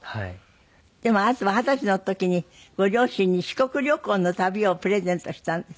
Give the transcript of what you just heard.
でもあなたは二十歳の時にご両親に四国旅行の旅をプレゼントしたんです？